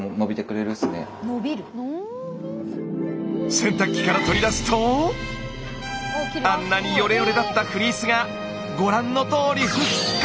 洗濯機から取り出すとあんなによれよれだったフリースがご覧のとおり復活！